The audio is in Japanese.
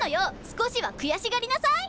少しは悔しがりなさい！